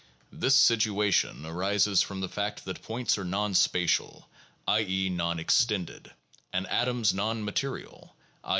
This situation arises from the fact that points are non spatial (i. e., non extended) and atoms non material (i.